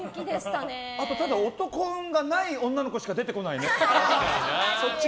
ただ男運がない女の子しか出てこないね。